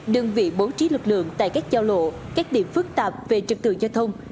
đơn vị bố trí lực lượng tại các giao lộ các điểm phức tạp về trực tự giao thông